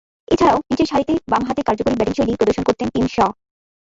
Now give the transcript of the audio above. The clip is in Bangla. এছাড়াও, নিচেরসারিতে বামহাতে কার্যকরী ব্যাটিংশৈলী প্রদর্শন করতেন টিম শ।